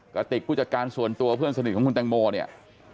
กระติกผู้จัดการส่วนตัวเพื่อนสนิทของคุณแตงโมเนี่ย